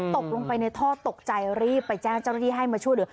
ตกลงไปในท่อตกใจรีบไปแจ้งเจ้าหน้าที่ให้มาช่วยเหลือ